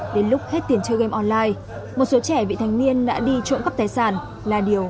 đến lúc hết tiền chơi game online một số trẻ bị thanh niên đã đi trộm cắp tài sản là điều